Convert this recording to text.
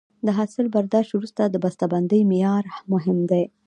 د حاصل برداشت وروسته د بسته بندۍ معیار مهم دی.